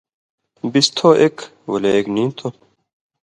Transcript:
بِس تھو ایک ولے ایک نی تھو۔